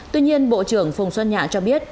tuy nhiên bộ trưởng phùng xuân nhạ cho biết